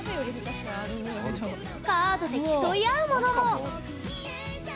カードで競い合うものも。